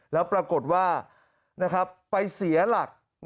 แล้วปรากฏว่าไปเสียหลัก